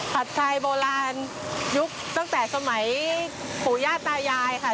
ผัดไทยโบราณยุคตั้งแต่สมัยผู้ญาติตายายค่ะ